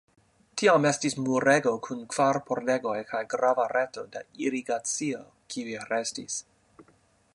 Tiam estis murego kun kvar pordegoj kaj grava reto de irigacio kiuj restis.